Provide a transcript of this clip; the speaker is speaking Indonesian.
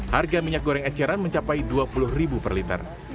harga minyak goreng eceran mencapai rp dua puluh per liter